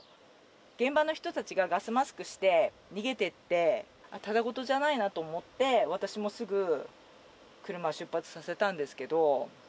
現場の人たちがガスマスクして、逃げてって、ただごとじゃないなと思って、私もすぐ車を出発させたんですけど。